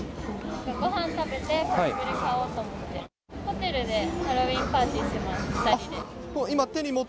ごはん食べてコスプレ買おうと思って。